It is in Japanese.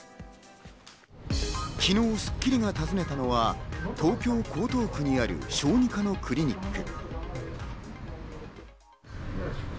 昨日、『スッキリ』が訪ねたのは東京・江東区にある小児科のクリニック。